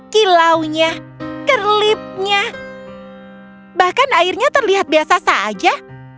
kilaunya kerlipnya bahkan airnya terlihat biasa saja